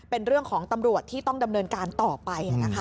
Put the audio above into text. เป็นเรื่องของตำรวจที่ต้องดำเนินการต่อไป